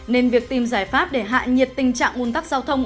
nên việc tìm giải pháp để hạ nhiệt tình trạng un tắc giao thông